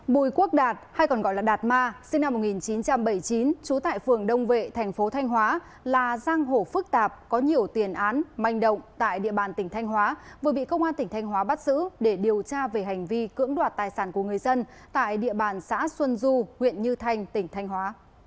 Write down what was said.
bùi quốc đạt hay còn gọi là đạt ma sinh năm một nghìn chín trăm bảy mươi chín trú tại phường đông vệ thành phố thanh hóa là giang hổ phức tạp có nhiều tiền án manh động tại địa bàn tỉnh thanh hóa vừa bị công an tỉnh thanh hóa bắt giữ để điều tra về hành vi cưỡng đoạt tài sản của người dân tại địa bàn xã xuân du huyện như thanh tỉnh thanh hóa